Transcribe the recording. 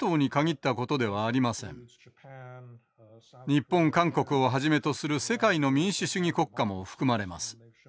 日本韓国をはじめとする世界の民主主義国家も含まれます。